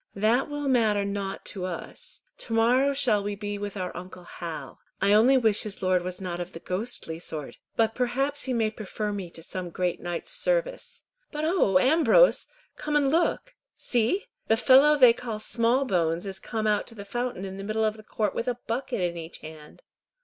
"That will matter nought to us. To morrow shall we be with our uncle Hal. I only wish his lord was not of the ghostly sort, but perhaps he may prefer me to some great knight's service. But oh! Ambrose, come and look. See! The fellow they call Smallbones is come out to the fountain in the middle of the court with a bucket in each hand.